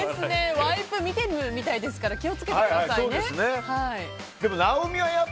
ワイプ、見てるみたいですから気を付けてくださいね。